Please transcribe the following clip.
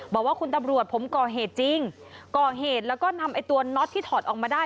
บอกว่าคุณตำรวจผมก่อเหตุจริงก่อเหตุแล้วก็นำไอ้ตัวน็อตที่ถอดออกมาได้